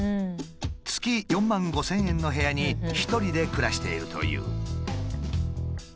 月４万５，０００円の部屋に１人で暮らしているという。